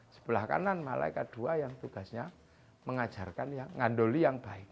sebelah kanan malaikat dua yang tugasnya mengajarkan yang ngandoli yang baik